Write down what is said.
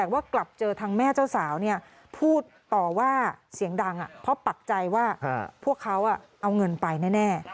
แต่ว่ากลับเจอทางแม่เจ้าสาวพูดต่อว่าเสียงดังเพราะปักใจว่าพวกเขาเอาเงินไปแน่